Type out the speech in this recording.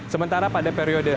sementara pada periode